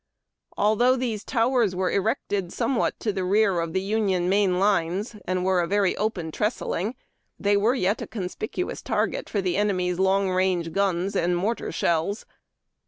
Although these towers were erected 402 UARD TACK AND COFFEE. somewhat to the rear of the Union main lines, and were a very open trestling, the}' were j^et a conspicuous target for the enemy's long range guns and mortar shells.